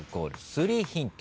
３ヒント